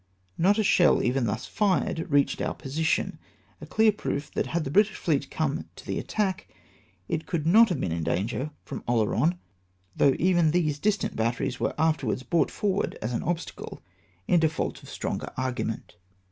JSTot a shell, even thus fired, reached our position, a clear proof that had the British fleet come to the attack, it could have been in no danger from Olerou, though even these distant batteries were afterwards brought forward as an obstacle, in default of stronger argument.